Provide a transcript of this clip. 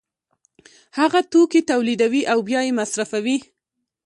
هغه توکي تولیدوي او بیا یې مصرفوي